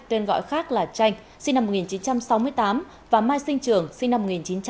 tên gọi khác là tranh sinh năm một nghìn chín trăm sáu mươi tám và mai sinh trường sinh năm một nghìn chín trăm chín mươi một